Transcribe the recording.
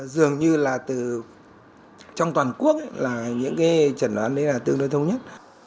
dường như là trong toàn quốc những trần đoán đấy là tương đối thống nhất